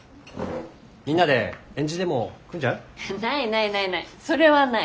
みんなで円陣でも組んじゃう？ない